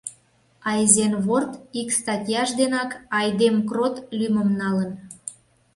Айзенворт ик статьяж денак «Айдемкрот» лӱмым налын.